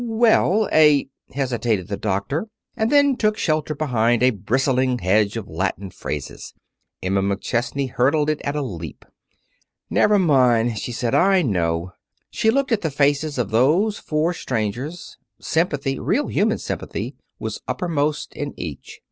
"Well a " hesitated the doctor, and then took shelter behind a bristling hedge of Latin phrases. Emma McChesney hurdled it at a leap. "Never mind," she said. "I know." She looked at the faces of those four strangers. Sympathy real, human sympathy was uppermost in each.